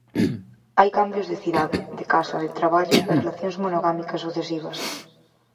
Hai cambios de cidade, de casa, de traballo, e relacións monogámicas sucesivas.